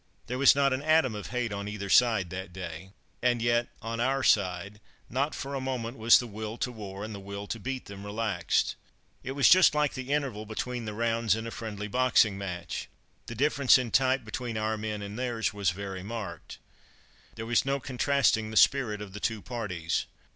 There was not an atom of hate on either side that day; and yet, on our side, not for a moment was the will to war and the will to beat them relaxed. It was just like the interval between the rounds in a friendly boxing match. The difference in type between our men and theirs was very marked. There was no contrasting the spirit of the two parties.